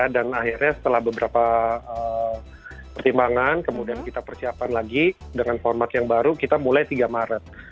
dan akhirnya setelah beberapa pertimbangan kemudian kita persiapan lagi dengan format yang baru kita mulai tiga maret